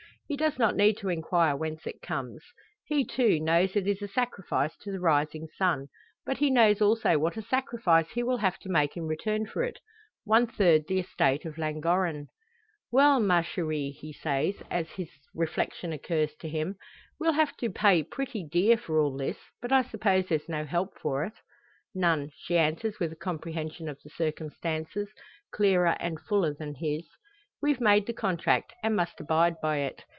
He does not need to inquire whence it comes. He, too, knows it is a sacrifice to the rising sun. But he knows also what a sacrifice he will have to make in return for it one third the estate of Llangorren. "Well, ma cherie," he says, as this reflection occurs to him, "we'll have to pay pretty dear for all this. But I suppose there's no help for it." "None," she answers with a comprehension of the circumstances clearer and fuller than his. "We've made the contract, and must abide by it.